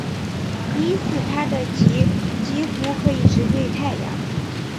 因此它的极几乎可以直对太阳。